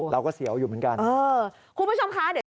เราก็เสียวอยู่เหมือนกัน